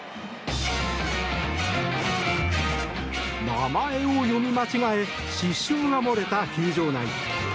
名前を読み間違え失笑が漏れた球場内。